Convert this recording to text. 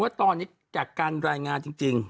ว่าตอนนี้จากการรายงานจริง